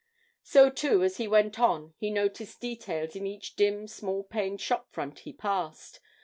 So, too, as he went on he noticed details in each dim small paned shop front he passed.